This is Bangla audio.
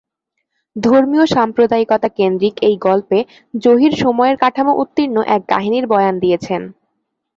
ধর্মীয়-সাম্প্রদায়িকতাকেন্দ্রীক এই গল্পে জহির সময়ের কাঠামো উত্তীর্ণ এক কাহিনীর বয়ান দিয়েছেন।